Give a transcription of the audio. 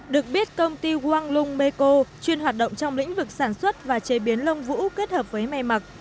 được biết công ty wang lung meko chuyên hoạt động trong lĩnh vực sản xuất và chế biến lông vũ kết hợp với may mặc